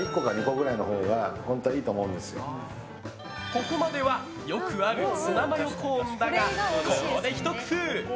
ここまではよくあるツナマヨコーンだがここで、ひと工夫！